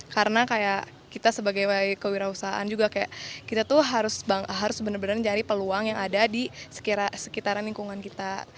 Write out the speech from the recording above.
karena kayak kita sebagai kewirausahaan juga kayak kita tuh harus bener bener cari peluang yang ada di sekitaran lingkungan kita